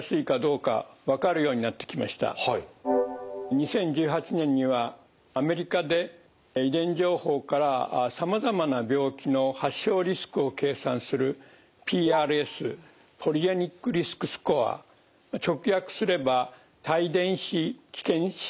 ２０１８年にはアメリカで遺伝情報からさまざまな病気の発症リスクを計算するＰＲＳポリジェニックリスクスコア直訳すれば多遺伝子危険指数というのでしょうか。